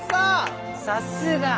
さすが！